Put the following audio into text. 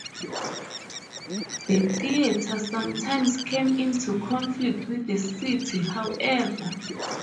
The theatre sometimes came into conflict with the city, however.